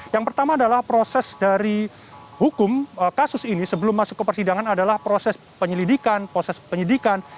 yang pertama adalah proses dari hukum kasus ini sebelum masuk ke persidangan adalah proses penyelidikan proses penyidikan